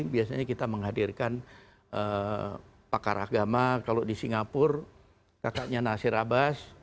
biasanya kita menghadirkan pakar agama kalau di singapura kakaknya nasir abbas